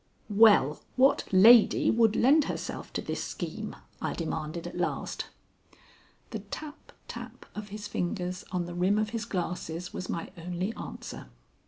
"Well, what lady would lend herself to this scheme?" I demanded at last. The tap, tap of his fingers on the rim of his glasses was my only answer.